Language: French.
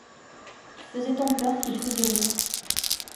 Il faisait tant peur qu’il faisait rire.